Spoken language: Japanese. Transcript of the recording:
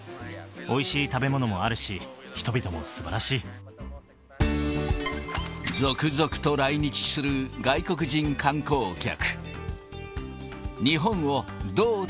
おいしい食べ物もあるし、人々も続々と来日する外国人観光客。